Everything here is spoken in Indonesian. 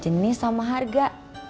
jenis sama harga